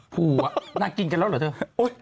ผัวนางกินกันแล้วเหรอเถอะ